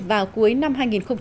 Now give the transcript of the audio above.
vào cuối năm hai nghìn một mươi bảy